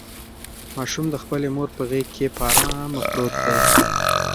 ماشوم د خپلې مور په غېږ کې په ارامه پروت دی.